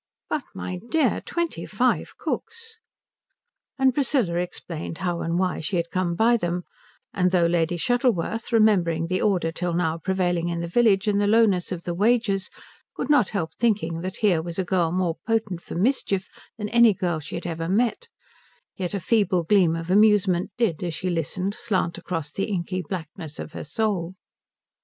"But my dear, twenty five cooks?" And Priscilla explained how and why she had come by them; and though Lady Shuttleworth, remembering the order till now prevailing in the village and the lowness of the wages, could not help thinking that here was a girl more potent for mischief than any girl she had ever met, yet a feeble gleam of amusement did, as she listened, slant across the inky blackness of her soul.